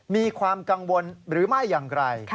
มีความกังวลหรือไม่อย่างไร